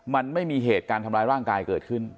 มันไม่มีเหตุการณ์ทำร้ายร่างกายเกิดขึ้น